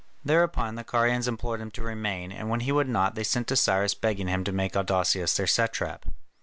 Thereupon the Carians implored him to remain, and when he would not, they sent to Cyrus begging him to make Adousius their satrap.